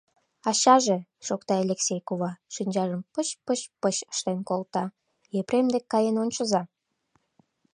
— Ачаже, — шокта Элексей кува, шинчажым пыч-пыч-пыч ыштен колта, — Епрем дек каен ончыза.